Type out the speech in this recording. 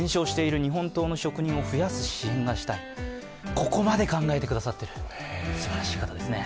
ここまで考えてくださってるすばらしい方ですね。